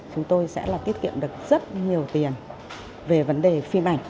chúng tôi sẽ là tiết kiệm được rất nhiều tiền về vấn đề phim ảnh